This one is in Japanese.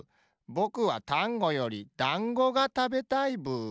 ぼくはタンゴよりだんごがたべたいブー。